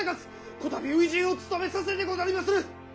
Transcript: こたび初陣をつとめさせてござりまする！